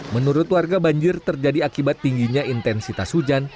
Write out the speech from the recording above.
menurut warga banjir terjadi akibat tingginya intensitas hujan